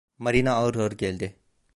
Marina ağır ağır geldi.